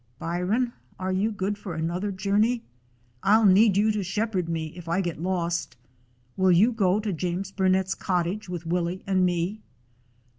By ron, are you good for another journey? I 'll need you to shepherd me if I get lost. Will you go to J ames Burnet's cottage with Willie and me?"